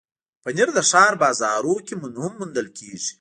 پنېر د ښار بازارونو کې هم موندل کېږي.